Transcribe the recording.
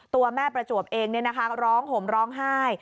ตัวแม่ประจวบเองร้องห่มร้องไห้